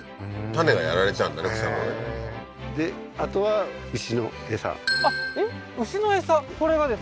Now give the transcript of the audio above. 種がやられちゃうんだね草のねえっ牛の餌？